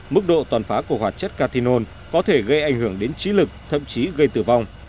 mức độ toàn phá của hoạt chất cathinol có thể gây ảnh hưởng đến trí lực thậm chí gây tử vong